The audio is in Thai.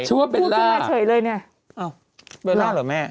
ฉันว่าเบลล่าเบลล่าเหรอแม่